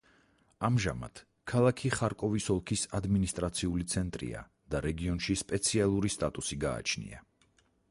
ამჟამად, ქალაქი ხარკოვის ოლქის ადმინისტრაციული ცენტრია და რეგიონში სპეციალური სტატუსი გააჩნია.